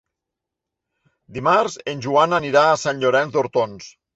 Dimarts en Joan anirà a Sant Llorenç d'Hortons.